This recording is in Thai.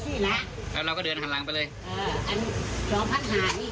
เสร็จเงินเสร็จครับให้เวลาแล้วทุ่มกว่าแล้วก็เอาแกงอีก